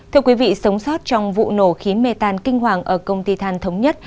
thưa quý vị sống sót trong vụ nổ khí mê tàn kinh hoàng ở công ty thàn thống nhất